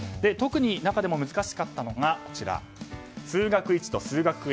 特に中でも難しかったのが数学１と数学Ａ。